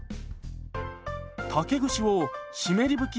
竹串を湿り拭き